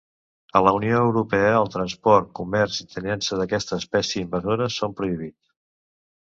A la Unió Europea el transport, comerç i tinença d'aquesta espècie invasora són prohibits.